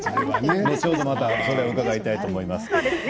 後ほど伺いたいと思います。